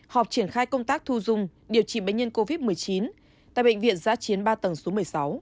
họp triển khai công tác thu dung điều trị bệnh nhân covid một mươi chín tại bệnh viện giã chiến ba tầng số một mươi sáu